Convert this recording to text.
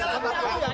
kasih kaki jangan